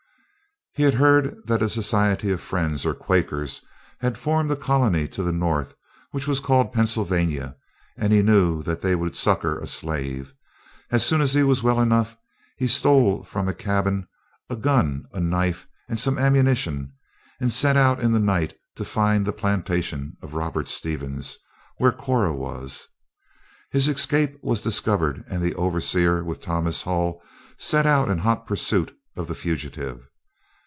He had heard that a society of Friends, or Quakers, had formed a colony to the north, which was called Pennsylvania; and he knew that they would succor a slave. As soon as he was well enough, he stole from a cabin a gun, a knife and some ammunition, and set out in the night to find the plantation of Robert Stevens, where Cora was. His escape was discovered and the overseer, with Thomas Hull, set out in hot pursuit of the fugitive.